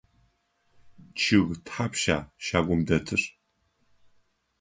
Чъыг тхьапша щагум дэтыр?